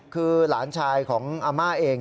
คือหลานชายของอาม่าเอง